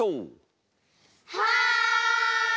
はい！